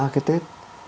ba cái tết